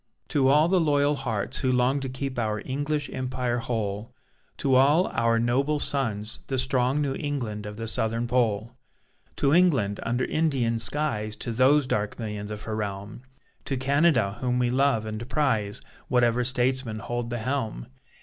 To all the loyal hearts who long To keep our English Empire whole! To all our noble sons, the strong New England of the Southern Pole! To England under Indian skies, To those dark millions of her realm! To Canada whom we love and prize, Whatever statesman hold the helm.